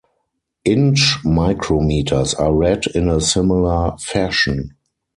Inch micrometers are read in a similar fashion.